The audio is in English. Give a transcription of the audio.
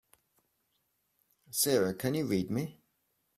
Sara can you read me?